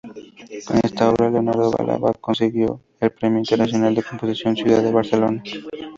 Con esta obra, Leonardo Balada consiguió el Premio internacional de composición Ciudad de Barcelona.